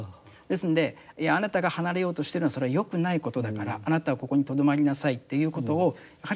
ですんであなたが離れようとしてるのはそれは良くないことだからあなたはここにとどまりなさいということをやはりしてはならない。